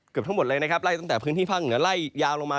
ทั้งหมดเลยนะครับไล่ตั้งแต่พื้นที่ภาคเหนือไล่ยาวลงมา